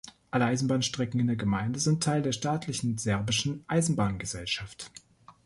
Alle Eisenbahnstrecken in der Gemeinde sind Teil der staatlichen serbischen Eisenbahngesellschaft.